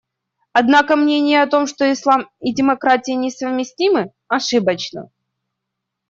Однако мнение о том, что Ислам и демократия несовместимы, ошибочно.